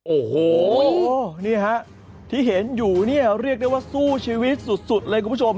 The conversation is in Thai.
โอ้โหนี่ฮะที่เห็นอยู่เนี่ยเรียกได้ว่าสู้ชีวิตสุดเลยคุณผู้ชม